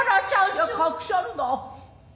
イヤ隠しゃるな。